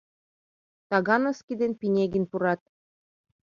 Тагановский ден Пинегин пурат.